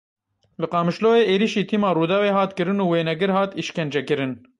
Li Qamişloyê êrişî tîma Rûdawê hat kirin û wênegir hat îşkencekirin.